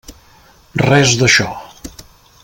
Res d'això.